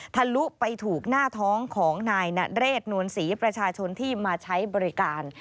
ทะลุไปถูกหน้าท้องของนายนเรศนวลศรีประชาชนที่มาใช้บริการ